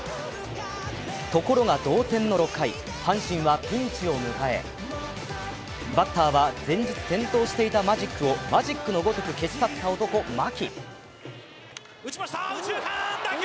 ところが同点の６回、阪神はピンチを迎えバッターは前日、点灯していたマジックをマジックのごとく消し去った男・牧。